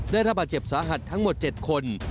ได้รับบาดเจ็บสาหัสทั้งหมด๗คน